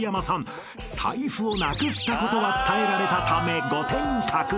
［財布をなくしたことは伝えられたため］